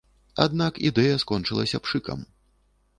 Аднак ідэя скончылася пшыкам.